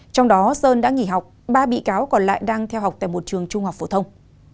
trong đó sơn đã nghỉ học ba bị cáo còn lại đang theo học tại một trường trung học phổ thông